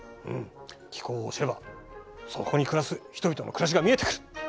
気候を知ればそこに暮らす人々の暮らしが見えてくる。